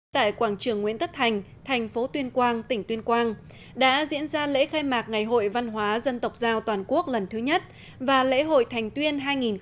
tại quảng trường nguyễn tất thành thành phố tuyên quang tỉnh tuyên quang đã diễn ra lễ khai mạc ngày hội văn hóa dân tộc giao toàn quốc lần thứ nhất và lễ hội thành tuyên hai nghìn một mươi chín